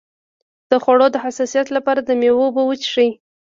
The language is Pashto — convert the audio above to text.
د خوړو د حساسیت لپاره د لیمو اوبه وڅښئ